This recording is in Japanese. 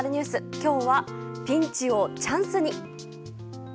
今日はピンチをチャンスに。